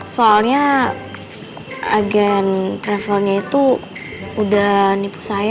soalnya agen travelnya itu udah nipu saya